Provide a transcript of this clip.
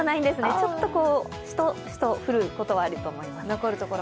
ちょっとシトシト降ることはあると思います。